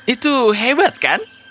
itu hebat kan